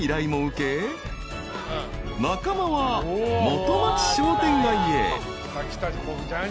［中間は元町商店街へ］